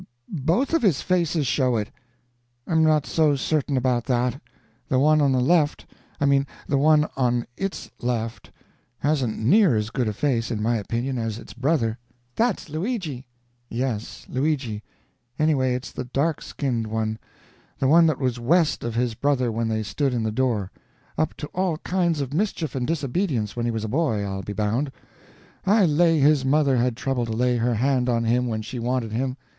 Both of his faces show it." "I'm not so certain about that. The one on the left I mean the one on it's left hasn't near as good a face, in my opinion, as its brother." "That's Luigi." "Yes, Luigi; anyway it's the dark skinned one; the one that was west of his brother when they stood in the door. Up to all kinds of mischief and disobedience when he was a boy, I'll be bound. I lay his mother had trouble to lay her hand on him when she wanted him.